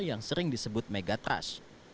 yang sering disebut megatrash